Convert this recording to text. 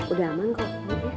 udah aman kok